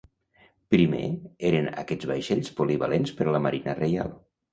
Primer eren aquests vaixells polivalents per a la Marina Reial.